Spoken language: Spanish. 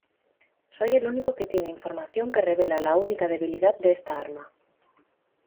Soy el único que tiene información que revela la única debilidad de esta arma.